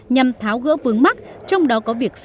nhằm tháo gỡ vướng mắt trong đó có việc